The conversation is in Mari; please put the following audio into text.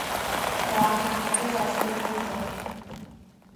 — Да, обязательно кутыро.